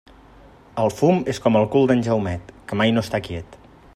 El fum és com el cul d'en Jaumet, que mai no està quiet.